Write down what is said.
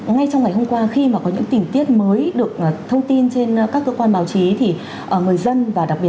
ngay trong ngày hôm qua khi mà có những tỉnh tiết mới được thông tin trên các cơ quan báo chí thì người dân và đặc biệt trên cộng đồng mạng